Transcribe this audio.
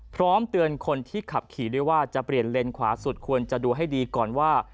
พร้อมเตือนคนที่ขับขี่ด้วยว่าจะเปลี่ยนเลนขวาสุดควรจะดูให้ดีก่อนว่า